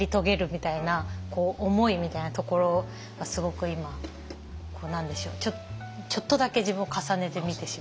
みたいな思いみたいなところはすごく今何でしょうちょっとだけ自分を重ねて見てしまいました。